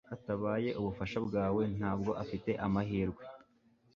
Hatabaye ubufasha bwawe, ntabwo afite amahirwe.